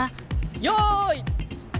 よい。